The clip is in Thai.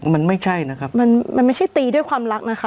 มันไม่ใช่นะครับมันมันไม่ใช่ตีด้วยความรักนะคะ